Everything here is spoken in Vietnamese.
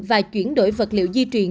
và chuyển đổi vật liệu di truyền